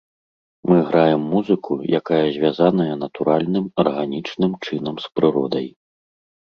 Мы граем музыку, якая звязаная натуральным, арганічным чынам з прыродай.